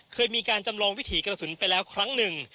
เคยมีการจำลองวิถีกระสุนไปแล้วครั้งหนึ่ง